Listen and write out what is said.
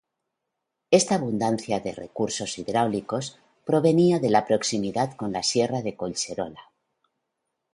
Esta abundancia de recursos hidráulicos provenía de la proximidad con la sierra de Collserola.